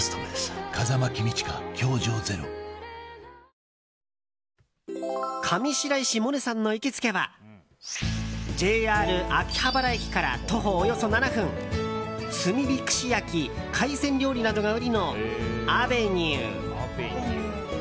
抗菌上白石萌音さんの行きつけはＪＲ秋葉原駅から徒歩およそ７分炭火串焼き海鮮料理などが売りの、あべにう。